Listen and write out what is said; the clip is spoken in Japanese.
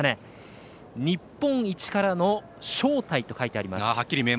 「日本一からの招待」と書いてあります。